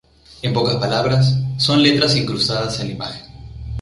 En pocas palabras, son letras incrustadas en la imagen.